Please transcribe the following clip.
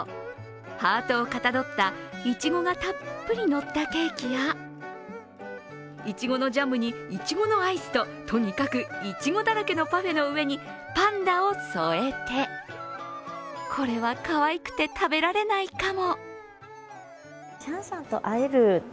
ハートをかたどったいちごがたっぷりのったケーキやいちごのジャムにいちごのアイスと、とにかくいちごだらけのパフェの上にパンダを添えてこれは、かわいくて食べられないかも。